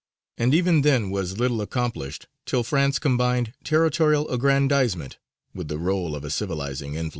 And even then little was accomplished till France combined territorial aggrandizement with the rôle of a civilizing influence.